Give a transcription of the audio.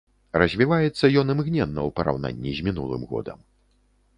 Развіваецца ён імгненна ў параўнанні з мінулым годам.